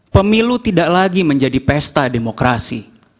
pemilu tidak lagi menjadi pesta demokrasi